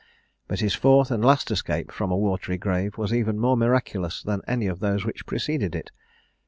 But his fourth and last escape from a watery grave was even more miraculous than any of those which preceded it.